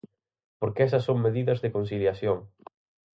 Porque esas son medidas de conciliación.